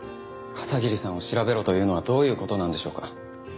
片桐さんを調べろというのはどういう事なんでしょうか？